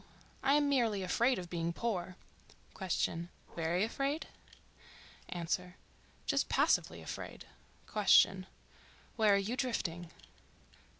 I am merely afraid of being poor. Q.—Very afraid? A.—Just passively afraid. Q.—Where are you drifting?